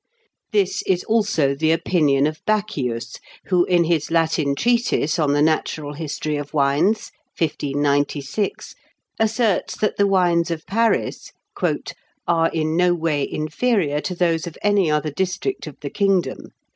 This is also the opinion of Baccius, who in his Latin treatise on the natural history of wines (1596) asserts that the wines of Paris "are in no way inferior to those of any other district of the kingdom."